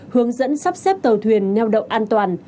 hướng dẫn sắp xếp tàu thuyền neo đậu an toàn